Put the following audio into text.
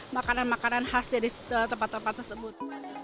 makanan makanan khas dari tempat tempat tersebut